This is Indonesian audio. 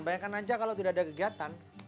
bayangkan aja kalau tidak ada kegiatan